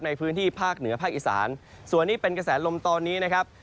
ในพื้นที่ภาคเหนือภาคอีสานส่วนนี้เป็นกระแสลมตอนนี้นะครับ